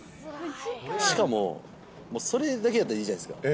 しかも、それだけだったらいいじゃないですか。